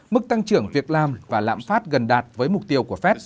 mức tăng trưởng việc làm và lãm phát gần đạt với mục tiêu của fed